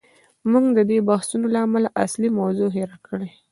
موږ د دې بحثونو له امله اصلي موضوع هیر کړې ده.